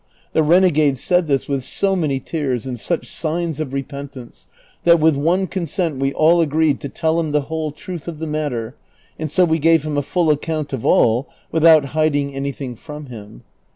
The renegade said this with so many tears and such signs of repentance, that with one consent we all agreed to tell him the whole truth of the matter, and so we gave him a full account 'of all, without hiding anj'thing from him.